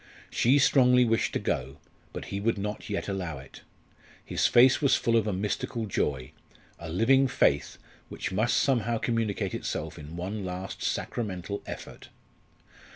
She strongly wished to go; but he would not yet allow it. His face was full of a mystical joy a living faith, which must somehow communicate itself in one last sacramental effort.